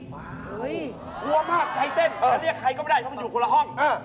พีชผู้หญิงหัวมากใจเต้นเรียกใครก็ไม่ได้เพราะมันอยู่คนละห้อง